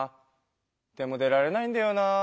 でも出られないんだよなあ。